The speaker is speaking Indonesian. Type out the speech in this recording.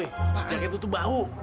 jaket lo tuh bau